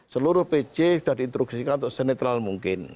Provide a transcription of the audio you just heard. seluruh pc sudah diintroksikan untuk senetral mungkin